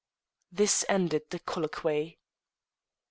This ended the colloquy.